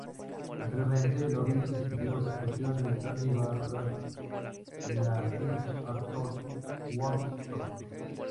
Posteriormente, Lovitz estudió actuación con Tony Barr en la Film Actors Workshop.